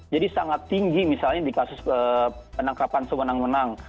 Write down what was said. jadi sangat tinggi misalnya di kasus penangkapan semenang menang